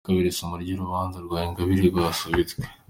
Ku nshuro ya kabiri isomwa ry’urubanza rwa Ingabire ryasubitswe